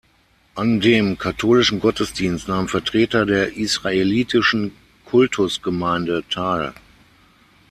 An dem katholischen Gottesdienst nahmen Vertreter der israelitischen Kultusgemeinde teil.